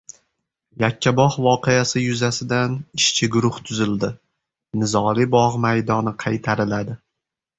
«Yakkabog‘ voqeasi» yuzasidan ishchi guruhi tuzildi. Nizoli bog‘ maydoni qaytariladi